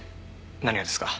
何がですか？